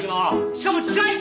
しかも近い！